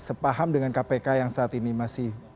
sepaham dengan kpk yang saat ini masih